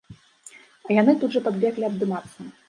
А яны тут жа падбеглі абдымацца.